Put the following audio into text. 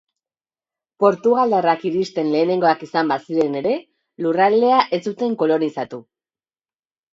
Portugaldarrak iristen lehenengoak izan baziren ere, lurraldea ez zuten kolonizatu.